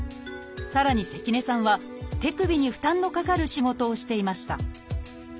さらに関根さんは手首に負担のかかる仕事をしていました。